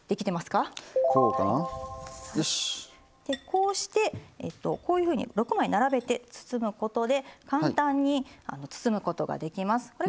でこうしてこういうふうに６枚並べて包むことで簡単に包むことができます。